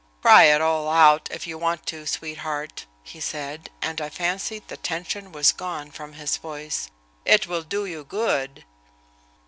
"Cry it all out, if you want to, sweetheart," he said, and I fancied the tension was gone from his voice. "It will do you good."